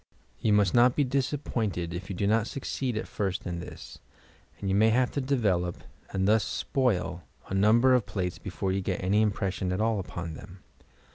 Ton must not be disappointed if you do not succeed at first in this, and you may have to develop (and thus spoil) a number of plates before you get any impression at all upon them.